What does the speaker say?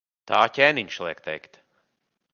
Tā ķēniņš liek teikt.